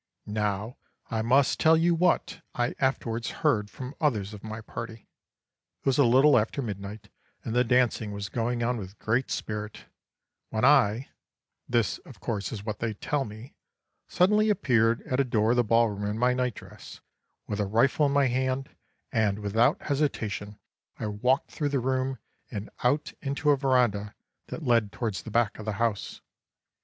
"Now I must tell you what I afterwards heard from others of my party. It was a little after midnight, and the dancing was going on with great spirit, when I this, of course, is what they tell me suddenly appeared at a door of the ball room in my night dress, with a rifle in my hand, and, without hesitation, I walked through the room and out into a verandah that led towards the back of the house.